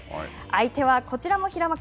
相手はこちらも平幕。